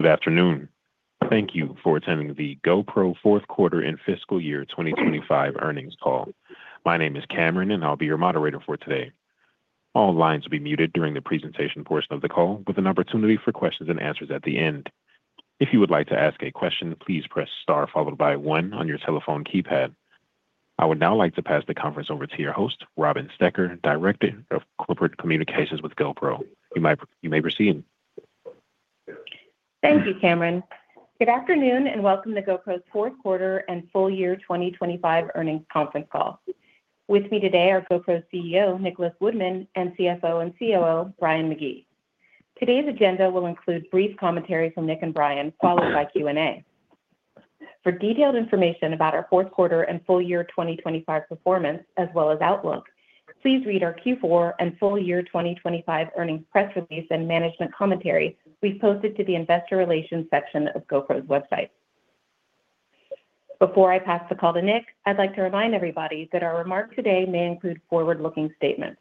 Good afternoon. Thank you for attending the GoPro Fourth Quarter and Fiscal Year 2025 Earnings Call. My name is Cameron, and I'll be your moderator for today. All lines will be muted during the presentation portion of the call with an opportunity for Q&A at the end. If you would like to ask a question, please press star followed by one on your telephone keypad. I would now like to pass the conference over to your host, Robin Stecker, Director of Corporate Communications with GoPro. You may proceed. Thank you, Cameron. Good afternoon, and welcome to GoPro's fourth quarter and full year 2025 earnings conference call. With me today are GoPro's CEO, Nicholas Woodman, and CFO and COO, Brian McGee. Today's agenda will include brief commentary from Nick and Brian, followed by Q&A. For detailed information about our fourth quarter and full year 2025 performance, as well as outlook, please read our Q4 and full year 2025 earnings press release and management commentary we posted to the investor relations section of GoPro's website. Before I pass the call to Nick, I'd like to remind everybody that our remarks today may include forward-looking statements.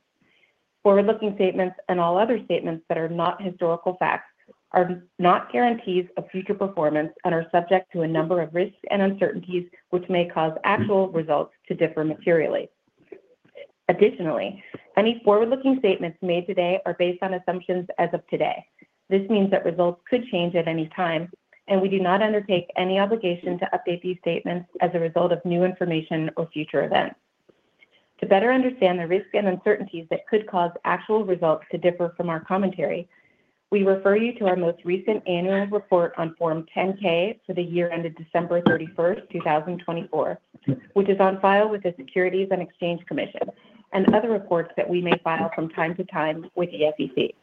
Forward-looking statements and all other statements that are not historical facts are not guarantees of future performance and are subject to a number of risks and uncertainties, which may cause actual results to differ materially. Additionally, any forward-looking statements made today are based on assumptions as of today. This means that results could change at any time, and we do not undertake any obligation to update these statements as a result of new information or future events. To better understand the risks and uncertainties that could cause actual results to differ from our commentary, we refer you to our most recent annual report on Form 10-K for the year ended December 31st, 2024, which is on file with the Securities and Exchange Commission, and other reports that we may file from time to time with the SEC.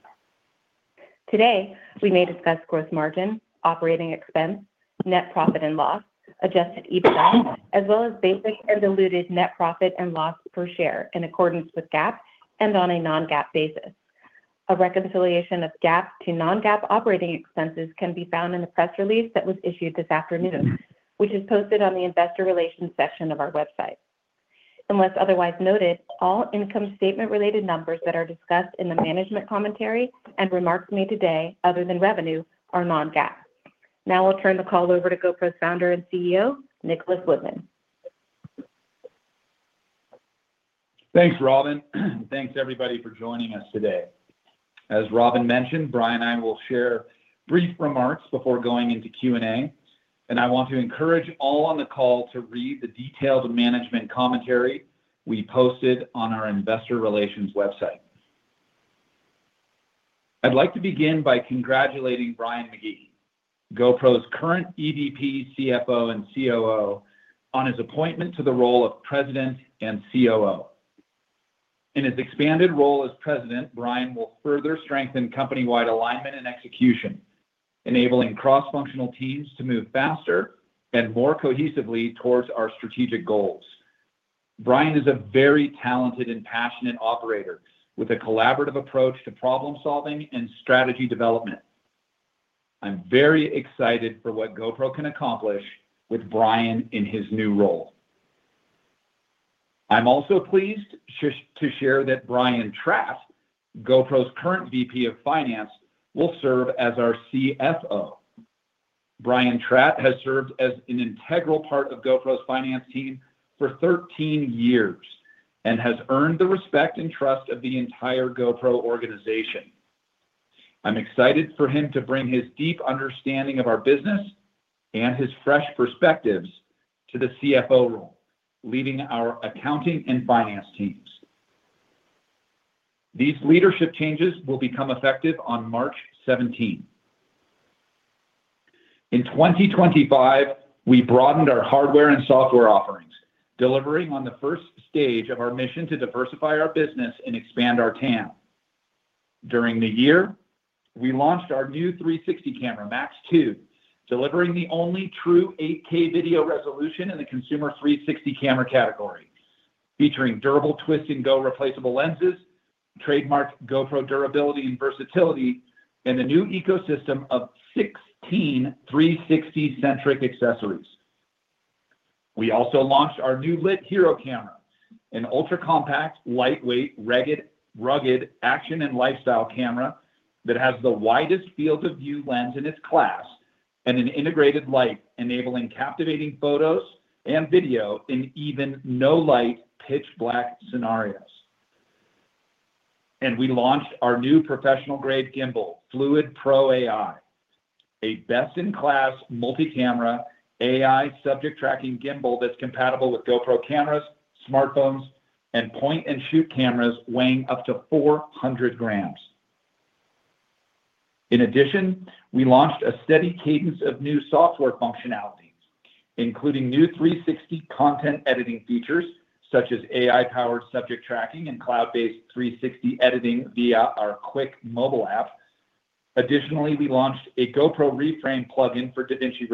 Today, we may discuss gross margin, operating expense, net profit and loss, adjusted EBITDA, as well as basic and diluted net profit and loss per share in accordance with GAAP and on a non-GAAP basis. A reconciliation of GAAP to non-GAAP operating expenses can be found in the press release that was issued this afternoon, which is posted on the investor relations section of our website. Unless otherwise noted, all income statement-related numbers that are discussed in the management commentary and remarks made today other than revenue are non-GAAP. Now I'll turn the call over to GoPro's Founder and CEO, Nicholas Woodman. Thanks, Robin. Thanks everybody for joining us today. As Robin mentioned, Brian and I will share brief remarks before going into Q&A, and I want to encourage all on the call to read the detailed management commentary we posted on our investor relations website. I'd like to begin by congratulating Brian McGee, GoPro's current EVP, CFO, and COO, on his appointment to the role of President and COO. In his expanded role as President, Brian will further strengthen company-wide alignment and execution, enabling cross-functional teams to move faster and more cohesively towards our strategic goals. Brian is a very talented and passionate operator with a collaborative approach to problem-solving and strategy development. I'm very excited for what GoPro can accomplish with Brian in his new role. I'm also pleased to share that Brian Tratt, GoPro's current VP of Finance, will serve as our CFO. Brian Tratt has served as an integral part of GoPro's finance team for 13 years and has earned the respect and trust of the entire GoPro organization. I'm excited for him to bring his deep understanding of our business and his fresh perspectives to the CFO role, leading our accounting and finance teams. These leadership changes will become effective on March 17th. In 2025, we broadened our hardware and software offerings, delivering on the first stage of our mission to diversify our business and expand our TAM. During the year, we launched our new 360 camera, MAX2, delivering the only true 8K video resolution in the consumer 360 camera category, featuring durable twist and go replaceable lenses, trademark GoPro durability and versatility, and a new ecosystem of 16 360-centric accessories. We also launched our new LIT HERO camera, an ultra-compact, lightweight, rugged action and lifestyle camera that has the widest field of view lens in its class and an integrated light enabling captivating photos and video in even no light pitch-black scenarios. We launched our new professional-grade gimbal, Fluid Pro AI, a best-in-class multi-camera AI subject tracking gimbal that's compatible with GoPro cameras, smartphones, and point-and-shoot cameras weighing up to 400 grams. In addition, we launched a steady cadence of new software functionalities, including new 360 content editing features such as AI-powered subject tracking and cloud-based 360 editing via our Quik mobile app. Additionally, we launched a GoPro ReFrame plugin for DaVinci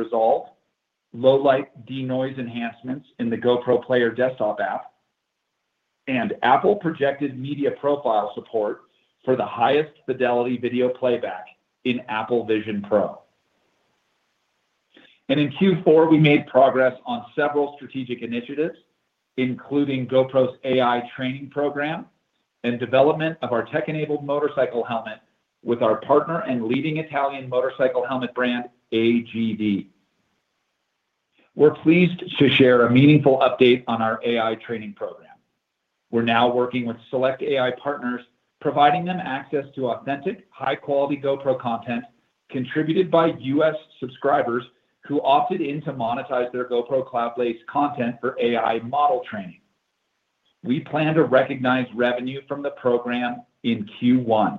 Resolve, low light de-noise enhancements in the GoPro Player desktop app, and Apple projected media profile support for the highest fidelity video playback in Apple Vision Pro. In Q4, we made progress on several strategic initiatives, including GoPro's AI training program and development of our tech-enabled motorcycle helmet with our partner and leading Italian motorcycle helmet brand, AGV. We're pleased to share a meaningful update on our AI training program. We're now working with select AI partners, providing them access to authentic, high-quality GoPro content contributed by U.S. subscribers who opted in to monetize their GoPro cloud-based content for AI model training. We plan to recognize revenue from the program in Q1.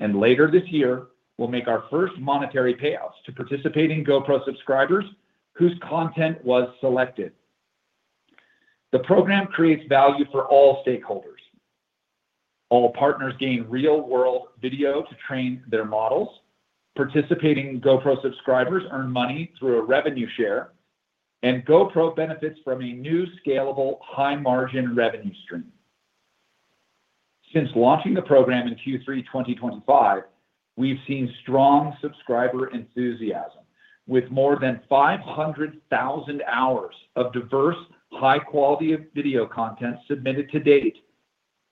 Later this year, we'll make our first monetary payouts to participating GoPro subscribers whose content was selected. The program creates value for all stakeholders. All partners gain real-world video to train their models. Participating GoPro subscribers earn money through a revenue share, and GoPro benefits from a new scalable high-margin revenue stream. Since launching the program in Q3 2025, we've seen strong subscriber enthusiasm with more than 500,000 hours of diverse high-quality video content submitted to date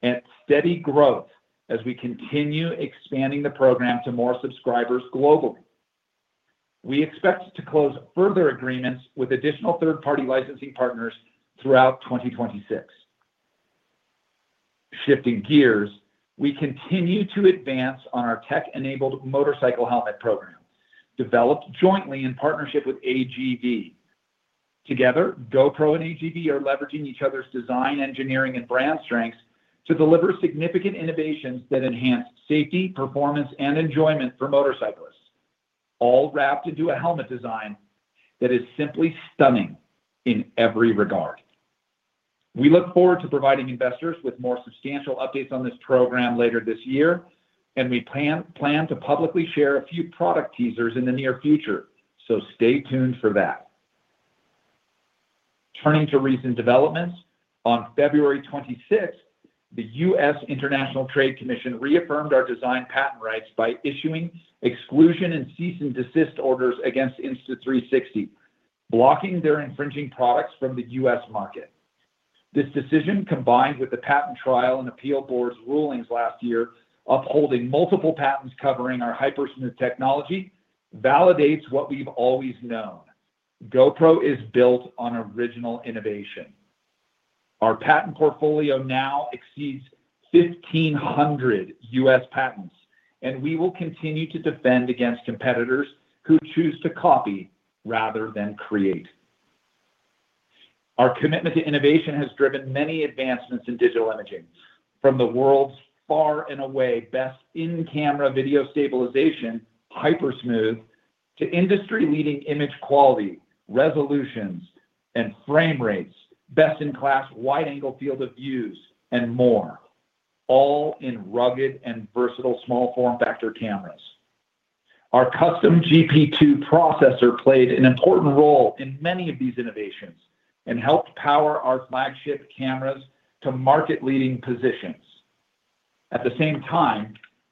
and steady growth as we continue expanding the program to more subscribers globally. We expect to close further agreements with additional third-party licensing partners throughout 2026. Shifting gears, we continue to advance on our tech-enabled motorcycle helmet program, developed jointly in partnership with AGV. Together, GoPro and AGV are leveraging each other's design, engineering, and brand strengths to deliver significant innovations that enhance safety, performance, and enjoyment for motorcyclists, all wrapped into a helmet design that is simply stunning in every regard. We look forward to providing investors with more substantial updates on this program later this year, and we plan to publicly share a few product teasers in the near future. Stay tuned for that. Turning to recent developments, on February 26th, the U.S. International Trade Commission reaffirmed our design patent rights by issuing exclusion and cease and desist orders against Insta360, blocking their infringing products from the U.S. market. This decision, combined with the Patent Trial and Appeal Board's rulings last year, upholding multiple patents covering our HyperSmooth technology, validates what we've always known. GoPro is built on original innovation. Our patent portfolio now exceeds 1,500 U.S. patents, and we will continue to defend against competitors who choose to copy rather than create. Our commitment to innovation has driven many advancements in digital imaging, from the world's far and away best in-camera video stabilization, HyperSmooth, to industry-leading image quality, resolutions, and frame rates, best-in-class wide-angle field of views, and more, all in rugged and versatile small form factor cameras. Our custom GP2 processor played an important role in many of these innovations and helped power our flagship cameras to market-leading positions.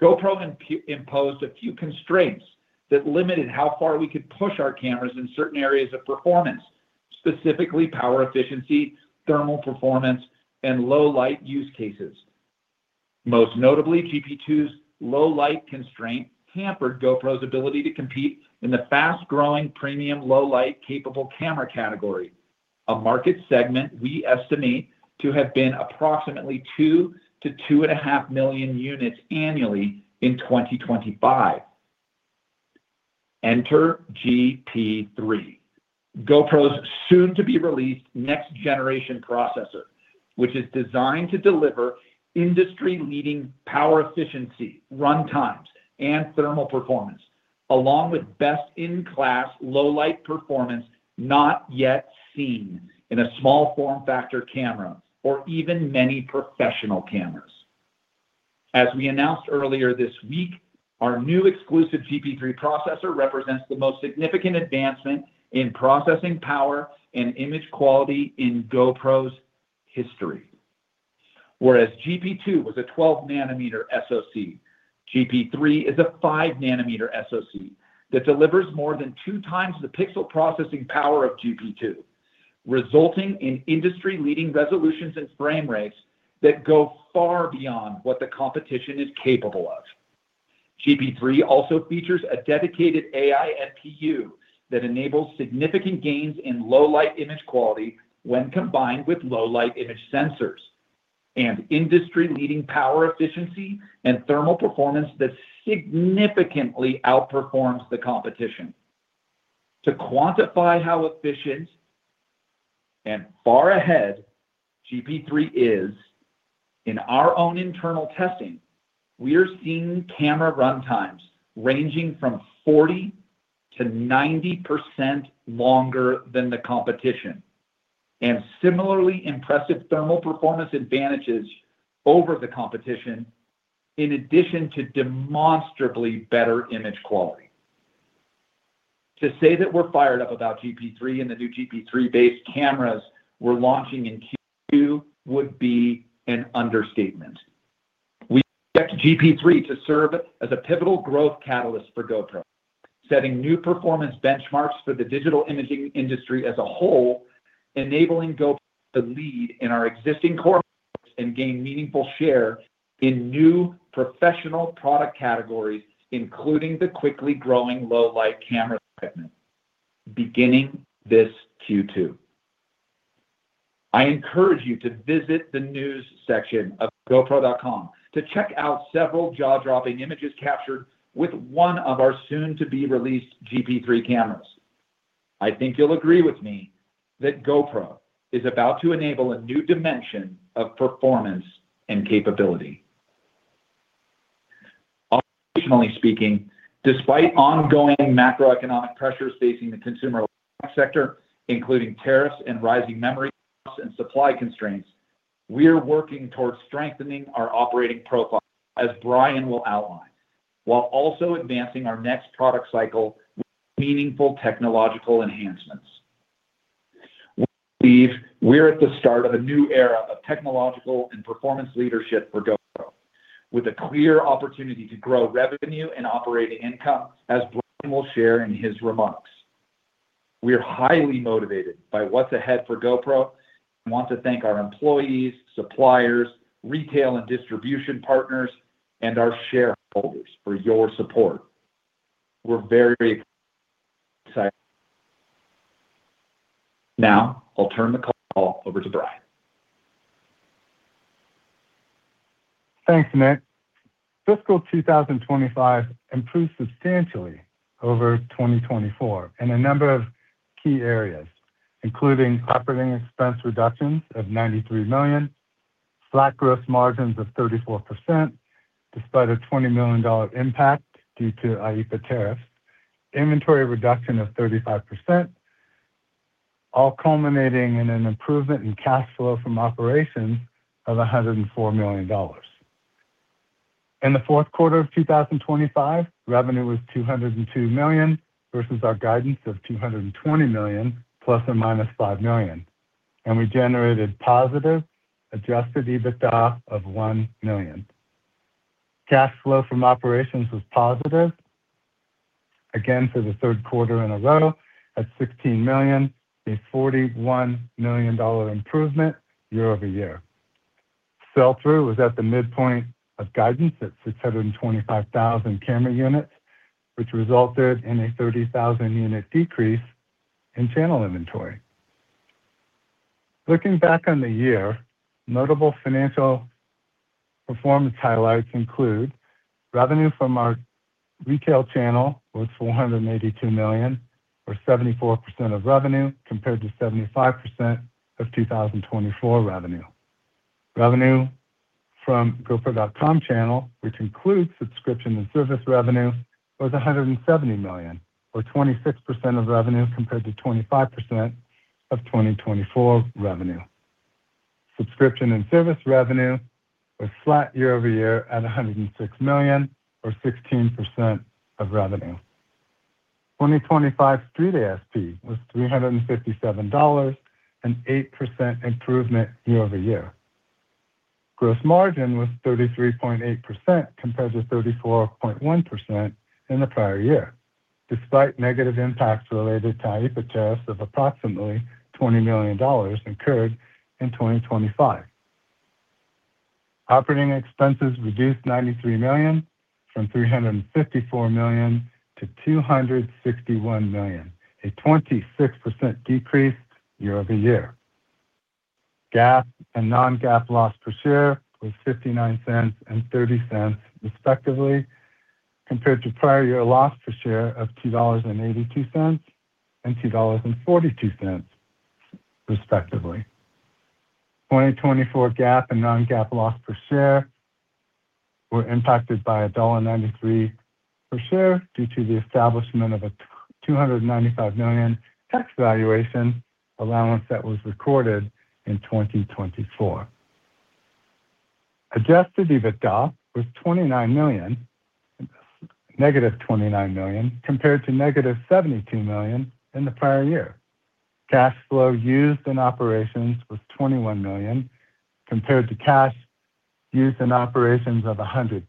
GoPro imposed a few constraints that limited how far we could push our cameras in certain areas of performance, specifically power efficiency, thermal performance, and low light use cases. Most notably, GP2's low light constraint hampered GoPro's ability to compete in the fast-growing premium low light-capable camera category, a market segment we estimate to have been approximately 2 million units-2.5 million units annually in 2025. Enter GP3, GoPro's soon-to-be-released next generation processor, which is designed to deliver industry-leading power efficiency, run times, and thermal performance, along with best-in-class low light performance not yet seen in a small form factor camera or even many professional cameras. As we announced earlier this week, our new exclusive GP3 processor represents the most significant advancement in processing power and image quality in GoPro's history. Whereas GP2 was a 12 nanometer SoC, GP3 is a 5 nanometer SoC that delivers more than two times the pixel processing power of GP2, resulting in industry-leading resolutions and frame rates that go far beyond what the competition is capable of. GP3 also features a dedicated AI NPU that enables significant gains in low light image quality when combined with low light image sensors and industry-leading power efficiency and thermal performance that significantly outperforms the competition. To quantify how efficient and far ahead GP3 is, in our own internal testing, we are seeing camera run times ranging from 40%-90% longer than the competition, and similarly impressive thermal performance advantages over the competition in addition to demonstrably better image quality. To say that we're fired up about GP3 and the new GP3-based cameras we're launching in Q2 would be an understatement. GP3 to serve as a pivotal growth catalyst for GoPro, setting new performance benchmarks for the digital imaging industry as a whole, enabling GoPro to lead in our existing core and gain meaningful share in new professional product categories, including the quickly growing low-light camera equipment beginning this Q2. I encourage you to visit the news section of gopro.com to check out several jaw-dropping images captured with one of our soon-to-be-released GP3 cameras. I think you'll agree with me that GoPro is about to enable a new dimension of performance and capability. Operationally speaking, despite ongoing macroeconomic pressures facing the consumer sector, including tariffs and rising memory costs and supply constraints, we are working towards strengthening our operating profile, as Brian will outline, while also advancing our next product cycle with meaningful technological enhancements. We believe we're at the start of a new era of technological and performance leadership for GoPro with a clear opportunity to grow revenue and operating income, as Brian will share in his remarks. We are highly motivated by what's ahead for GoPro and want to thank our employees, suppliers, retail and distribution partners, and our shareholders for your support. We're very excited. I'll turn the call over to Brian. Thanks, Nick. Fiscal 2025 improved substantially over 2024 in a number of key areas, including operating expense reductions of $93 million, flat gross margins of 34% despite a $20 million impact due to IEEPA tariffs, inventory reduction of 35%, all culminating in an improvement in cash flow from operations of $104 million. In the fourth quarter of 2025, revenue was $202 million versus our guidance of $220 million ± $5 million, and we generated positive adjusted EBITDA of $1 million. Cash flow from operations was positive again for the third quarter in a row at $16 million, a $41 million improvement year-over-year. Sell-through was at the midpoint of guidance at 625,000 camera units, which resulted in a 30,000 unit decrease in channel inventory. Looking back on the year, notable financial performance highlights include revenue from our retail channel was $482 million or 74% of revenue, compared to 75% of 2024 revenue. Revenue from gopro.com channel, which includes subscription and service revenue, was $170 million, or 26% of revenue compared to 25% of 2024 revenue. Subscription and service revenue was flat year-over-year at $106 million, or 16% of revenue. 2025 street ASP was $357, an 8% improvement year-over-year. Gross margin was 33.8% compared to 34.1% in the prior year, despite negative impacts related to IEEPA tariffs of approximately $20 million incurred in 2025. Operating expenses reduced $93 million from $354 million to $261 million, a 26% decrease year-over-year. GAAP and non-GAAP loss per share was $0.59 and $0.30, respectively, compared to prior year loss per share of $2.82 and $2.42, respectively. 2024 GAAP and non-GAAP loss per share were impacted by $1.93 per share due to the establishment of a $295 million tax valuation allowance that was recorded in 2024. Adjusted EBITDA was -$29 million compared to -$72 million in the prior year. Cash flow used in operations was $21 million, compared to cash used in operations of $125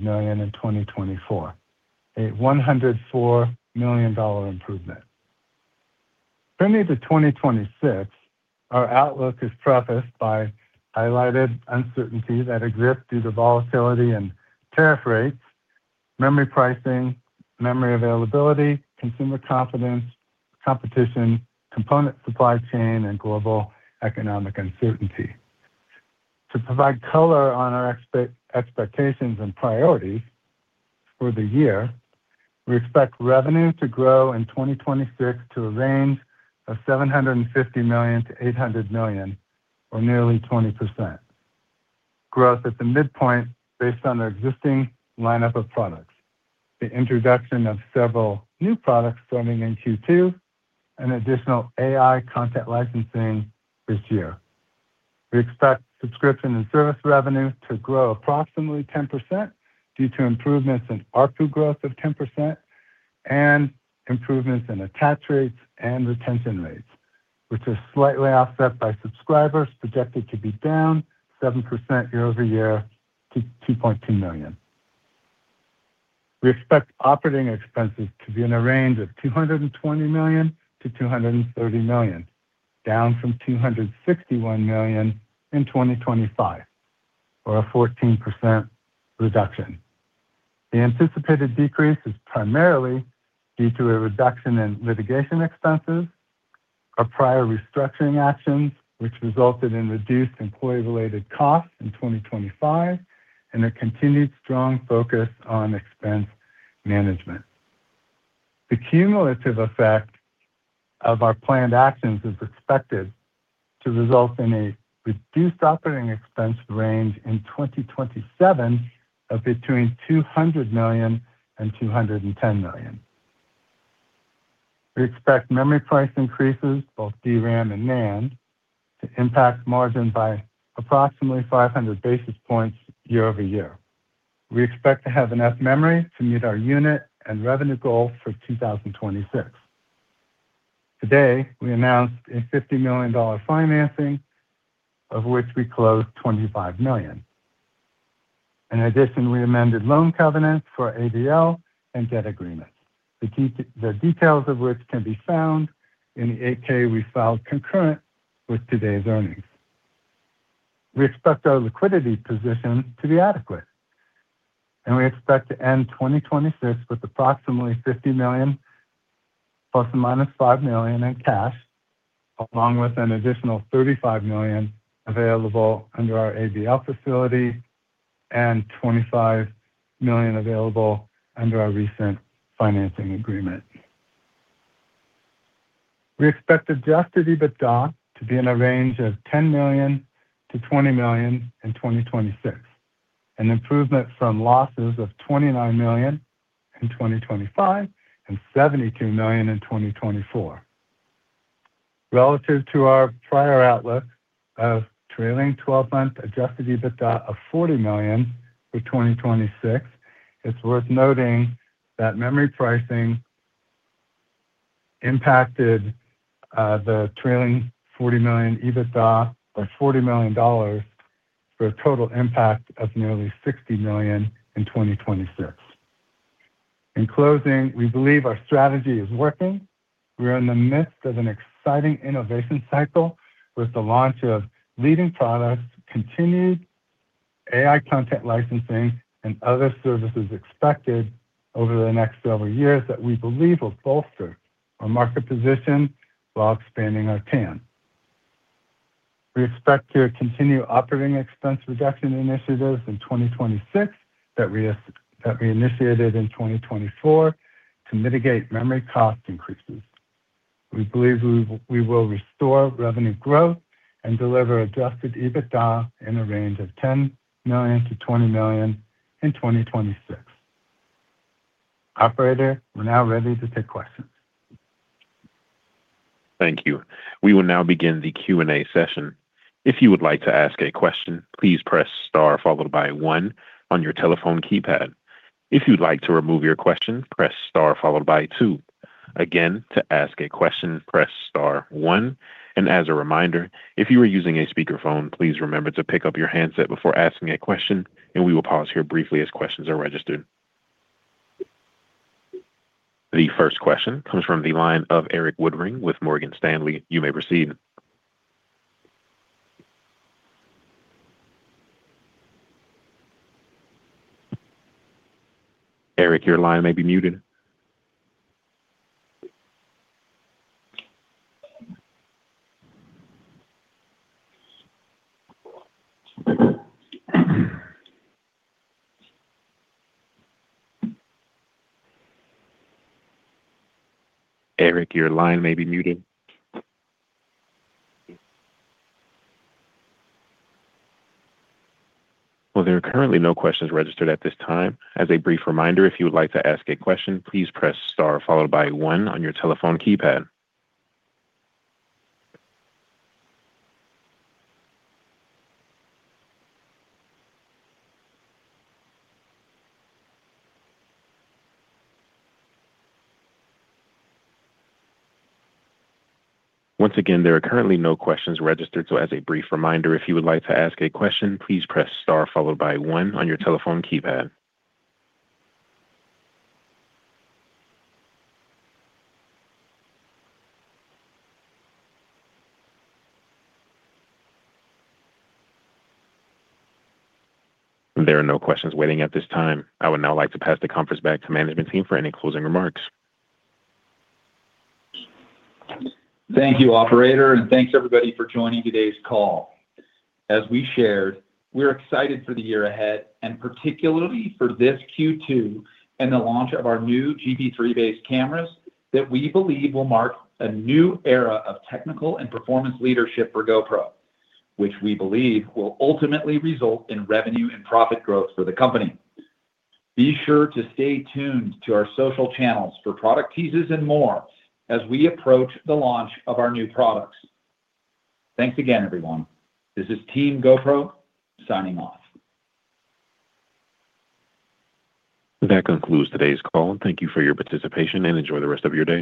million in 2024, a $104 million improvement. Turning to 2026, our outlook is prefaced by highlighted uncertainty that exists due to volatility and tariff rates, memory pricing, memory availability, consumer confidence, competition, component supply chain, and global economic uncertainty. To provide color on our expectations and priorities for the year, we expect revenue to grow in 2026 to a range of $750 million-$800 million or nearly 20%. Growth at the midpoint based on the existing lineup of products. The introduction of several new products starting in Q2 and additional AI content licensing this year. We expect subscription and service revenue to grow approximately 10% due to improvements in ARPU growth of 10%. Improvements in attach rates and retention rates, which is slightly offset by subscribers projected to be down 7% year-over-year to $2.2 million. We expect operating expenses to be in a range of $220 million-$230 million, down from $261 million in 2025, or a 14% reduction. The anticipated decrease is primarily due to a reduction in litigation expenses, our prior restructuring actions, which resulted in reduced employee-related costs in 2025, and a continued strong focus on expense management. The cumulative effect of our planned actions is expected to result in a reduced operating expense range in 2027 of between $200 million and $210 million. We expect memory price increases, both DRAM and NAND, to impact margin by approximately 500 basis points year-over-year. We expect to have enough memory to meet our unit and revenue goal for 2026. Today, we announced a $50 million financing, of which we closed $25 million. In addition, we amended loan covenants for ABL and debt agreements. The details of which can be found in the Form 8-K we filed concurrent with today's earnings. We expect our liquidity position to be adequate, and we expect to end 2026 with approximately $50 million ±$5 million in cash, along with an additional $35 million available under our ABL facility and $25 million available under our recent financing agreement. We expect adjusted EBITDA to be in a range of $10 million-$20 million in 2026, an improvement from losses of $29 million in 2025 and $72 million in 2024. Relative to our prior outlook of trailing twelve-month adjusted EBITDA of $40 million for 2026, it's worth noting that memory pricing impacted the trailing $40 million EBITDA by $40 million for a total impact of nearly $60 million in 2026. In closing, we believe our strategy is working. We are in the midst of an exciting innovation cycle with the launch of leading products, continued AI content licensing and other services expected over the next several years that we believe will bolster our market position while expanding our TAM. We expect to continue operating expense reduction initiatives in 2026 that we initiated in 2024 to mitigate memory cost increases. We believe we will restore revenue growth and deliver adjusted EBITDA in a range of $10 million-$20 million in 2026. Operator, we're now ready to take questions. Thank you. We will now begin the Q&A session. If you would like to ask a question, please press star followed by one on your telephone keypad. If you'd like to remove your question, press star followed by two. Again, to ask a question, press star one. As a reminder, if you are using a speakerphone, please remember to pick up your handset before asking a question, and we will pause here briefly as questions are registered. The first question comes from the line of Erik Woodring with Morgan Stanley. You may proceed. Erik, your line may be muted. Erik, your line may be muted. Well, there are currently no questions registered at this time. As a brief reminder, if you would like to ask a question, please press star followed by one on your telephone keypad. Once again, there are currently no questions registered. As a brief reminder, if you would like to ask a question, please press star followed by one on your telephone keypad. There are no questions waiting at this time. I would now like to pass the conference back to management team for any closing remarks. Thank you, operator, and thanks everybody for joining today's call. As we shared, we're excited for the year ahead and particularly for this Q2 and the launch of our new GP3-based cameras that we believe will mark a new era of technical and performance leadership for GoPro, which we believe will ultimately result in revenue and profit growth for the company. Be sure to stay tuned to our social channels for product teases and more as we approach the launch of our new products. Thanks again, everyone. This is Team GoPro signing off. That concludes today's call, and thank you for your participation, and enjoy the rest of your day.